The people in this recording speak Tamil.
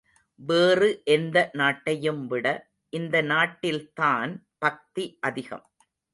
வேறு எந்த நாட்டையும்விட இந்த நாட்டில்தான் பக்தி அதிகம்.